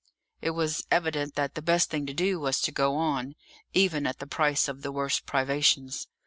It was evident that the best thing to do was to go on, even at the price of the worst privations.